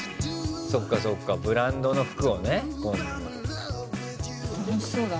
そっかそっかブランドの服をね。